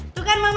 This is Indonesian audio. tuh kan mama